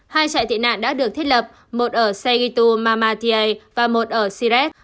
hai trại tị nạn đã được thiết lập một ở segito mamatiai và một ở siret